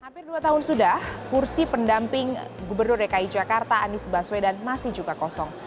hampir dua tahun sudah kursi pendamping gubernur dki jakarta anies baswedan masih juga kosong